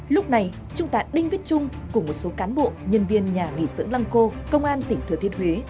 lúc này trung tá đinh viết trung cùng một số cán bộ nhân viên nhà nghỉ dưỡng lăng cô công an tỉnh thừa thiên huế